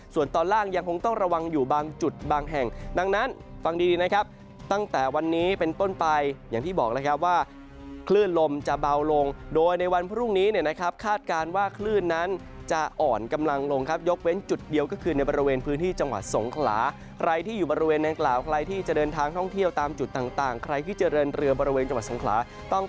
ส่วนตอนล่างยังคงต้องระวังอยู่บางจุดบางแห่งดังนั้นฟังดีนะครับตั้งแต่วันนี้เป็นต้นไปอย่างที่บอกนะครับว่าคลื่นลมจะเบาลงโดยในวันพรุ่งนี้นะครับคาดการณ์ว่าคลื่นนั้นจะอ่อนกำลังลงครับยกเว้นจุดเดียวก็คือในบริเวณพื้นที่จังหวัดสงคราใครที่อยู่บริเวณแนนกลาวใครที่จะเดินทางท่องเที่ยวต